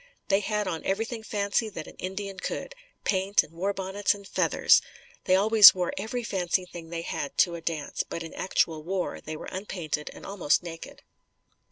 They had on everything fancy that an Indian could paint and warbonnets and feathers. They always wore every fancy thing they had to a dance, but in actual war, they were unpainted and almost naked.